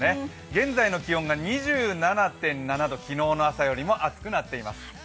現在の気温が２７．７度、昨日の朝よりも暑くなっています。